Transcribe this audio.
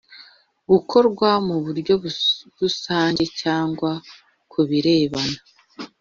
gukorwa mu buryo rusange cyangwa ku birebana